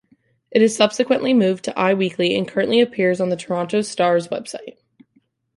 It subsequently moved to "Eye Weekly", and currently appears on the "Toronto Star's" website.